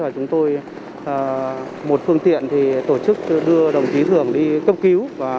chúng tôi một phương tiện tổ chức đưa đồng chí thường đi cấp cứu